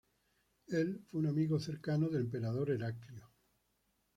Él fue un amigo cercano del emperador Heraclio.